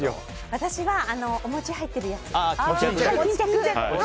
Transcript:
私はお餅が入ってるやつ。